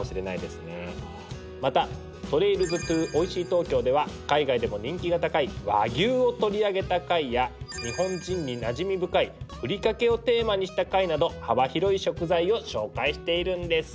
また「ＴｒａｉｌｓｔｏＯｉｓｈｉｉＴｏｋｙｏ」では海外でも人気が高い「和牛」を取り上げた回や日本人になじみ深い「ふりかけ」をテーマにした回など幅広い食材を紹介しているんです。